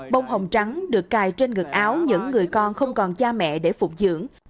bông hồng trắng được cài trên ngực áo những người con không còn cha mẹ để phục dưỡng